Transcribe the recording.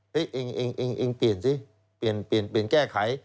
เฮ้ยเองเปลี่ยนซิเปลี่ยนแก้ไข